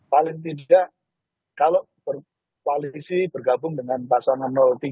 paling tidak kalau berkoalisi bergabung dengan pasangan tiga